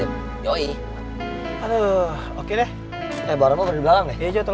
eh bau kamu berdua di belakang ya